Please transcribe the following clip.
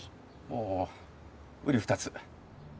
もううり二つ。